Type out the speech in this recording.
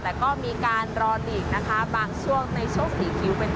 แต่ก็มีการรอดีกบางช่วงในช่วงศรีคิวเป็นต้น